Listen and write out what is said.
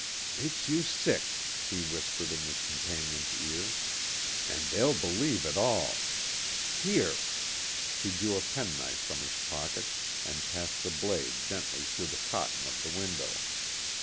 "Makes you sick!" he whispered in his companion's ear. "And they'll believe it all. Here!" He drew a penknife from his pocket and passed the blade gently through the cotton of the window.